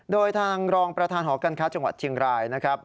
โดยทางรองประธานหอการค้าจังหวัดเชียงรายนะครับ